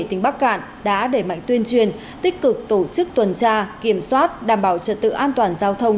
tỉnh bắc cạn đã đẩy mạnh tuyên truyền tích cực tổ chức tuần tra kiểm soát đảm bảo trật tự an toàn giao thông